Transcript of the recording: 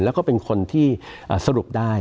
แล้วก็เป็นคนที่สรุปได้